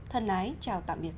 thân ái chào tạm biệt